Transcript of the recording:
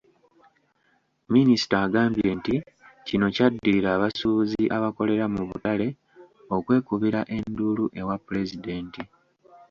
Minisita agambye nti kino kyaddirira abasuubuzi abakolera mu butale okwekubira enduulu ewa Pulezidenti.